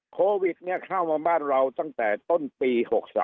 โควิดเข้ามาบ้านเราตั้งแต่ต้นปี๖๓